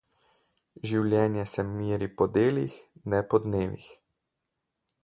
Življenje se meri po delih, ne po dnevih.